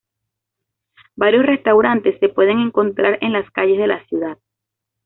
Varios restaurantes se pueden encontrar en las calles de la ciudad.